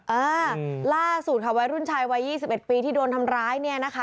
อ่าล่าสูตรทวายรุ่นชายวัย๒๑ปีที่โดนทำร้าย